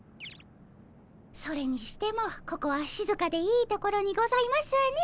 それにしてもここはしずかでいい所にございますね。